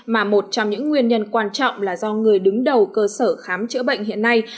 mà một trong những nguyên nhân quan trọng là do người đứng đầu cơ sở khám chữa bệnh hiện nay